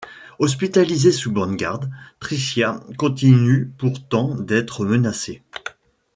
Hospitalisée sous bonne garde, Tricia continue pourtant d'être menacée.